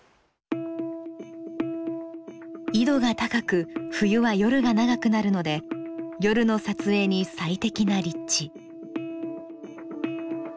緯度が高く冬は夜が長くなるので夜の撮影に最適な立地。